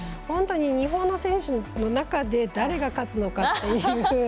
本当に日本の選手の中で誰が勝つのかっていう。